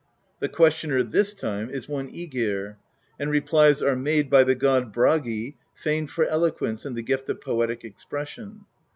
The ques tioner this time is one iEgir; and replies are made by the god Bragi, famed for eloquence and the gift of poetic ex pression.